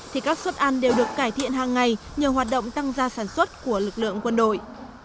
thì các suất ăn đều được cải thiện hàng ngày nhờ hoạt động tăng gia sản xuất của lực lượng quân đội